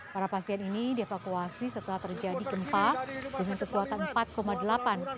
para pasien ini dievakuasi setelah terjadi gempa dengan kekuatan empat delapan